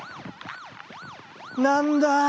何だ。